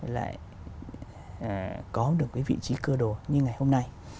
lại có được cái vị trí cơ đồ như ngày hôm nay